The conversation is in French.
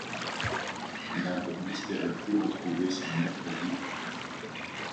Nab n’espérait plus retrouver son maître vivant.